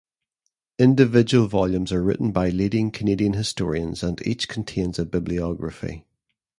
Individual volumes are written by leading Canadian historians and each contains a bibliography.